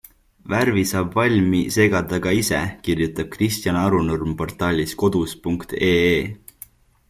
Värvi saab valmi segada ka ise, kirjutab Kristjan Arunurm portaalis kodus.ee.